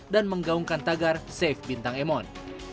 dan menggaungkan tagar save bintang emon